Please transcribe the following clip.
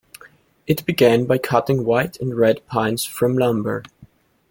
It began by cutting white and red pines for lumber.